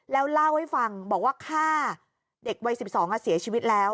แล้วเล่าให้ฟังบอกว่าฆ่าเด็กวัย๑๒เสียชีวิตแล้ว